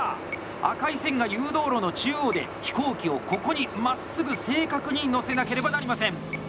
赤い線が誘導路の中央で飛行機をここにまっすぐ正確に乗せなければなりません。